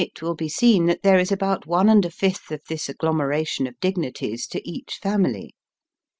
Ill there is about one and a fifth of this agglo meration of dignities to each family.